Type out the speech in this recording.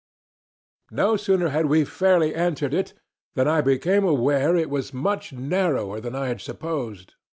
"No sooner had we fairly entered it than I became aware it was much narrower than I had supposed.